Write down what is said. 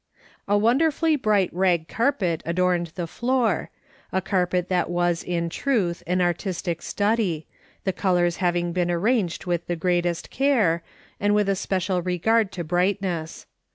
A wonderfully bright rag carpet adorned the floor, a carpet that was in truth an artistic study, the colours having been arranged with the greatest care, and with a special regard to brightness.